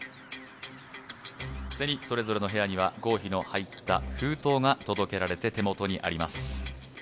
既にそれぞれの部屋には合否の入った封筒が届けられて手元にあります。